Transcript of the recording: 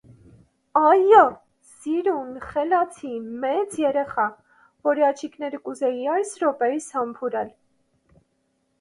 - Այո՛, սիրուն, խելացի, մեծ երեխա, որի աչիկները կուզեի այս րոպեիս համբուրել: